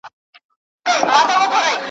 نن لکړي نڅومه میخانې چي هېر مي نه کې `